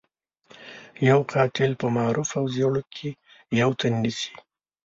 يو قاتل په معروف او زيړوک کې يو تن نيسي.